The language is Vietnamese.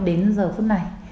đến giờ phút này